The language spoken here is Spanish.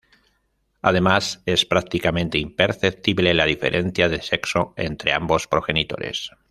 Además es prácticamente imperceptible la diferencia de sexo entre ambos progenitores.